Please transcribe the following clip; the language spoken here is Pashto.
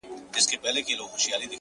هم عقل وينم; هم هوا وينم; هم ساه وينم;